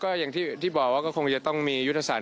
ก็อย่างที่บอกว่าก็คงจะต้องมียุทธศาส